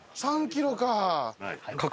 ３キロか。